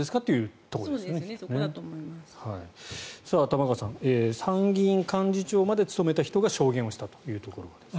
玉川さん参議院幹事長まで務めた人が証言をしたというところです。